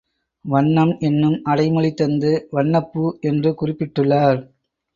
வண்ணம் என்னும் அடைமொழி தந்து வண்ணப் பூ என்று குறிப்பிட்டுள்ளார்.